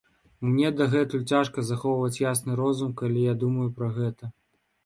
Мне дагэтуль цяжка захоўваць ясны розум, калі я думаю пра гэта.